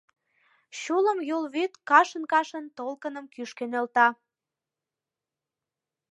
Чулым Юл вӱд кашын-кашын толкыным кӱшкӧ нӧлта.